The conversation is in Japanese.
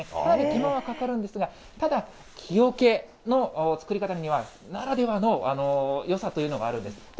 かなり手間はかかるんですが、ただ、木おけの造り方には、ならではのよさというのがあるんです。